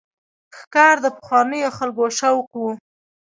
ښکار د پخوانیو خلکو شوق و.